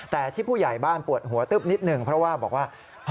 แต่ที่ผู้ใหญ่บ้านปวดหัวตึ๊บนิดหนึ่งเพราะว่าบอกว่า